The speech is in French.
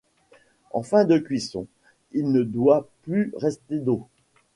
En fin de cuisson, il ne doit plus rester d'eau.